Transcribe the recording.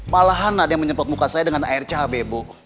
malahan ada yang menyemprot muka saya dengan air cahabe bu